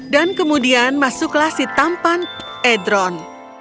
dan kemudian masuklah si tampan edron